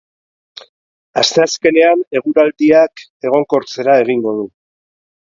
Asteazkenean eguraldiak egonkortzera egingo du.